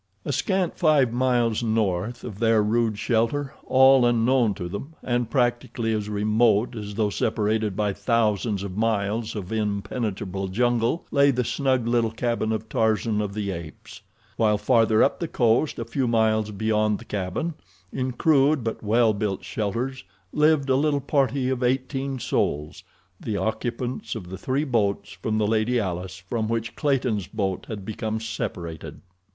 A scant five miles north of their rude shelter, all unknown to them, and practically as remote as though separated by thousands of miles of impenetrable jungle, lay the snug little cabin of Tarzan of the Apes. While farther up the coast, a few miles beyond the cabin, in crude but well built shelters, lived a little party of eighteen souls—the occupants of the three boats from the Lady Alice from which Clayton's boat had become separated.